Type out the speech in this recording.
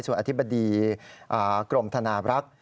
ส่วนอธิบดีกรมธนาบรักษ์